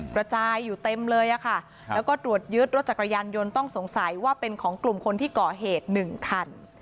กระจายอยู่เต็มเลยค่ะแล้วก็ตรวจยึดรถจักรยานยนต์ต้องสงสัยว่าเป็นของกลุ่มคนที่ก่อเหตุ๑คัน